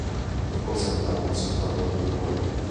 Le cose andranno sicuramente come detto.